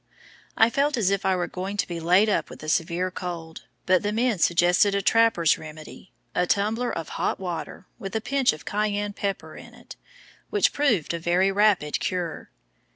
I felt as if I were going to be laid up with a severe cold, but the men suggested a trapper's remedy a tumbler of hot water, with a pinch of cayenne pepper in it which proved a very rapid cure.